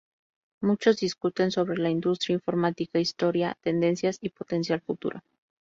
Muchos discuten sobre la industria informática, historia, tendencias y potencial futuro.